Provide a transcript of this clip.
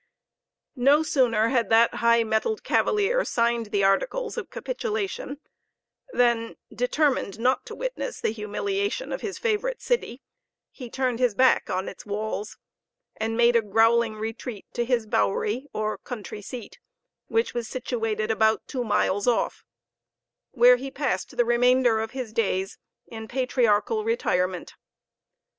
No sooner had that high mettled cavalier signed the articles of capitulation, than, determined not to witness the humiliation of his favorite city, he turned his back on its walls, and made a growling retreat to his bowery, or country seat, which was situated about two miles off; where he passed the remainder of his days in patriarchal retirement.